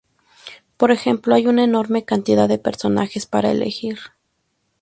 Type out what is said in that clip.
Por ejemplo, hay una enorme cantidad de personajes para elegir.